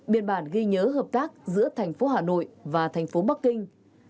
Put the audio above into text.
biên bản ghi nhớ hợp tác giữa thành phố hà nội và thành phố bắc kinh